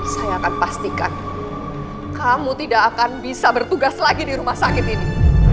saya akan pastikan kamu tidak akan bisa bertugas lagi di rumah sakit ini